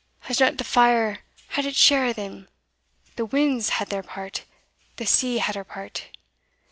Has not the fire had its share o' them the winds had their part the sea had her part?